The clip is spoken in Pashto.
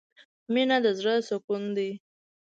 مینه د زړه سکون دی.